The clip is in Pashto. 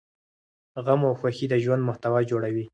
غم او خوښي د ژوند محتوا جوړوي.